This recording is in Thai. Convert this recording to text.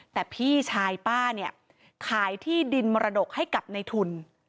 แต่พี่ชายป้าเนี่ยขายที่ดินมรดกให้กับในทุน